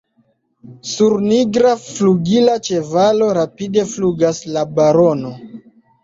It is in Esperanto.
Sur nigra flugila ĉevalo rapide flugas la barono!